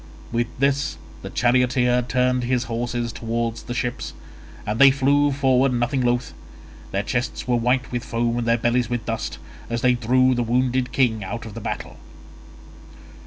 With this the charioteer turned his horses towards the ships, and they flew forward nothing loth. Their chests were white with foam and their bellies with dust, as they drew the wounded king out of the battle.